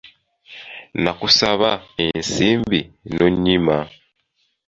Nakusaba ensimbi n’onyima